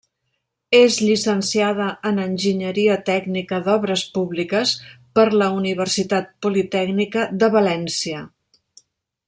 És llicenciada en enginyeria tècnica d'obres públiques per la Universitat Politècnica de València.